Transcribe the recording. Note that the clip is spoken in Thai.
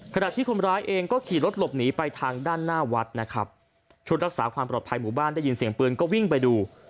ขณะที่คนร้ายเองก็ขี่รถหลบหนีไปทางด้านหน้าวัดนะครับชุดรักษาความปลอดภัยหมู่บ้านได้ยินเสียงปืนก็วิ่งไปดู